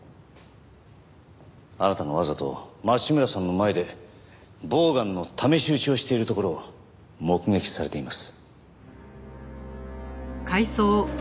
あなたがわざと町村さんの前でボウガンの試し撃ちをしているところを目撃されています。